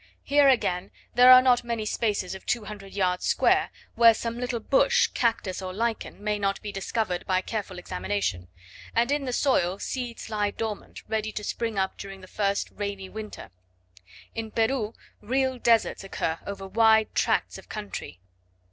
Here again, there are not many spaces of two hundred yards square, where some little bush, cactus or lichen, may not be discovered by careful examination; and in the soil seeds lie dormant ready to spring up during the first rainy winter. In Peru real deserts occur over wide tracts of country.